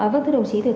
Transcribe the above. vâng thưa đồng chí